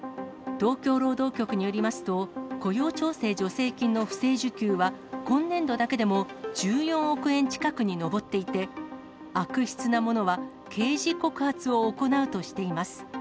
東京労働局によりますと、雇用調整助成金の不正受給は、今年度だけでも１４億円近くに上っていて、悪質なものは刑事告発を行うとしています。